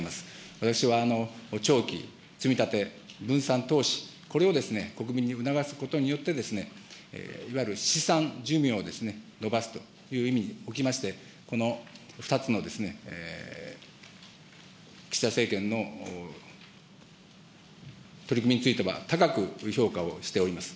私は長期積み立て、分散投資、これを国民に促すことによって、いわゆる資産寿命を延ばすという意味におきまして、この２つの岸田政権の取り組みについては、高く評価をしております。